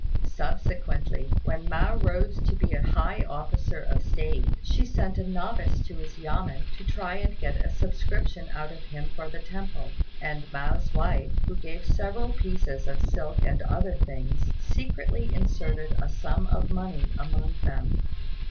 Subsequently, when Mao rose to be a high officer of state, she sent a novice to his yamên to try and get a subscription out of him for the temple; and Mao's wife, who gave several pieces of silk and other things, secretly inserted a sum of money among them.